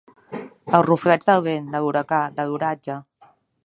Els ruflets del vent, de l'huracà, de l'oratge.